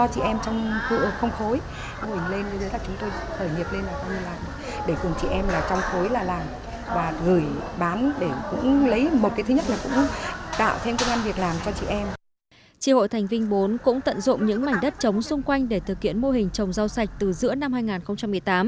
tri hội thành vinh bốn cũng tận dụng những mảnh đất trống xung quanh để thực hiện mô hình trồng rau sạch từ giữa năm hai nghìn một mươi tám